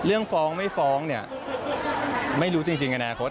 เรื่องฟ้องไม่ฟ้องเนี่ยไม่รู้จริงกันนะครับ